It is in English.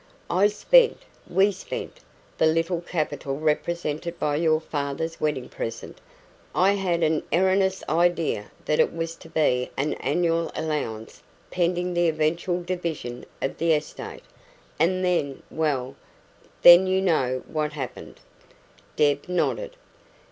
"I spent we spent the little capital represented by your father's wedding present I had an erroneous idea that it was to be an annual allowance pending the eventual division of the estate; and then well, then you know what happened." Deb nodded.